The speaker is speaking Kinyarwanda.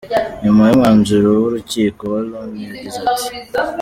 Nyuma y'umwanzuro w'urukiko, Wa Lone yagize ati:.